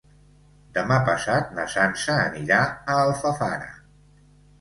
Demà passat na Sança anirà a Alfafara.